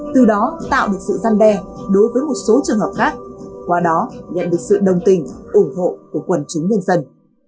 từ đó tạo được sự gian đe đối với một số trường hợp khác qua đó nhận được sự đồng tình ủng hộ của quần chúng nhân dân